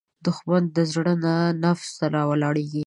دښمن د زړه نه، د نفس نه راولاړیږي